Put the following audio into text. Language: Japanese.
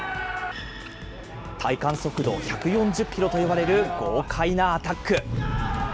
体感速度１４０キロといわれる豪快なアタック。